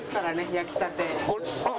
焼きたて。